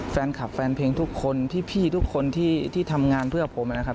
แฟนเพลงทุกคนพี่ทุกคนที่ทำงานเพื่อผมนะครับ